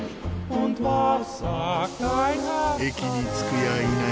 駅に着くやいなや